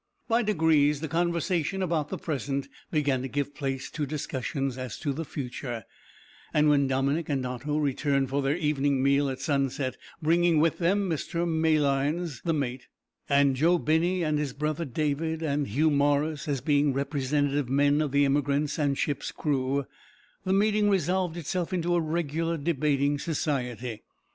By degrees the conversation about the present began to give place to discussions as to the future, and when Dominick and Otto returned for their evening meal at sunset, bringing with them Mr Malines, the mate, and Joe Binney and his brother David and Hugh Morris as being representative men of the emigrants and ship's crew, the meeting resolved itself into a regular debating society.